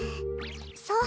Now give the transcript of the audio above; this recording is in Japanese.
そう。